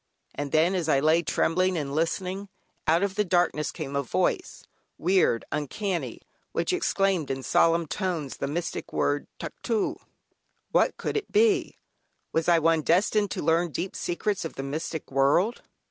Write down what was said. And then, as I lay trembling and listening, out of darkness came a Voice, weird, uncanny, which exclaimed in solemn tones the mystic word "Tuctoo." What could it be? Was I one destined to learn deep secrets of the mystic world?